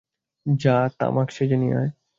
যা, তামাক সেজে নিয়ে আয়।